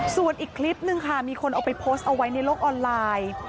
ส่วนอีกคลิปนึงค่ะมีคนเอาไปโพสต์เอาไว้ในโลกออนไลน์